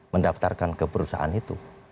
mendaftarkan ke perusahaan itu